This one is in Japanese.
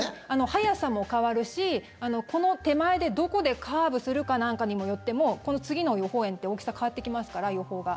速さも変わるしこの手前で、どこでカーブするかなんかによっても次の予報円って、大きさ変わってきますから、予報が。